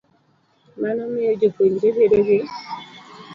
Mano miyo jopuonjre bedo gi .